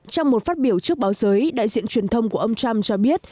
trong một phát biểu trước báo giới đại diện truyền thông của ông trump cho biết